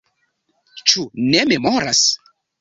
Ĉu ne memoras?